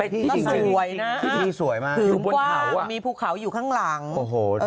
ไปที่ที่จริงเลยนะฮะถือว่ามีภูเขาอยู่ข้างหลังโอ้โฮ